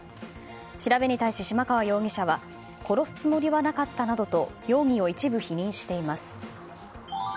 調べに対し、嶋川容疑者は殺すつもりはなかったなどと容疑を一部否認しています。